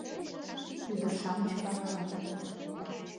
Ӱдыр-шамыч пагалат